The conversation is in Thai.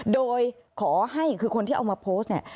โดยขอให้คือคนที่เอามาโพสต์เนี่ย